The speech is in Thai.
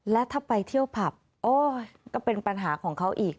และถ้าไปเที่ยวผับโอ้ยก็เป็นปัญหาของเขาอีก